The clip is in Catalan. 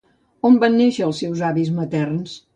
On van néixer els seus avis materns?